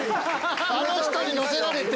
あの人に乗せられて。